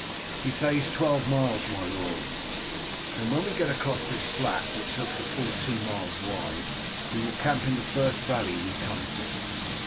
"He says twelve miles, my lord." "Then when we get across this flat, which looks full two miles wide, we will camp in the first valley we come to."